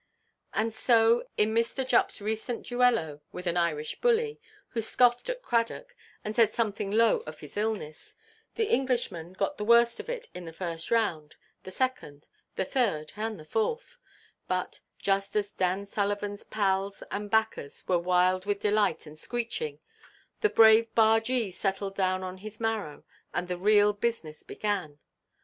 And so, in Mr. Juppʼs recent duello with an Irish bully, who scoffed at Cradock, and said something low of his illness, the Englishman got the worst of it in the first round, the second, the third, and the fourth; but, just as Dan Sullivanʼs pals and backers were wild with delight and screeching, the brave bargee settled down on his marrow, and the real business began.